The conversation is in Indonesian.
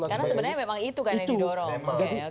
karena sebenarnya memang itu kan yang didorong